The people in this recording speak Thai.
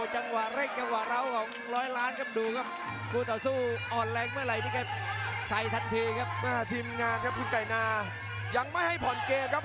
จังหวะเร็กจังหวะร้าวของร้อยล้านครับดูครับ